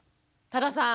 多田さん